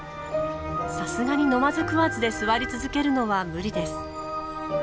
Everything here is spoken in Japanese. さすがに飲まず食わずで座り続けるのは無理です。